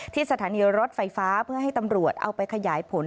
สถานีรถไฟฟ้าเพื่อให้ตำรวจเอาไปขยายผล